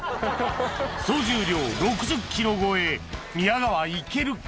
総重量６０ｋｇ超え宮川行けるか？